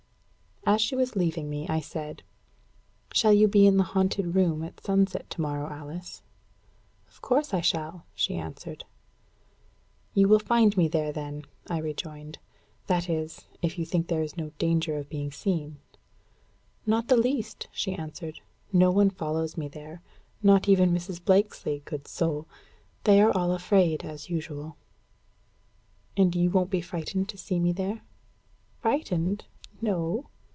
As she was leaving me, I said, "Shall you be in the haunted room at sunset tomorrow, Alice?" "Of course I shall," she answered. "You will find me there then," I rejoined "that is, if you think there is no danger of being seen." "Not the least," she answered. "No one follows me there; not even Mrs. Blakesley, good soul! They are all afraid, as usual." "And you won't be frightened to see me there?" "Frightened? No.